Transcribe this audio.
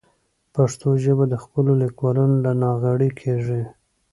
پښتو ژبه د خپلو لیکوالانو له ناغېړۍ کړېږي.